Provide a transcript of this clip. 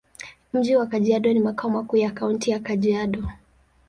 Mji wa Kajiado ni makao makuu ya Kaunti ya Kajiado.